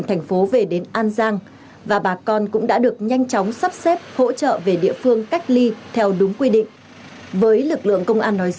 thành phố cũng đang đẩy nhanh tiến độ dự kiến đến giữa tháng một mươi